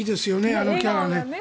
あのキャラね。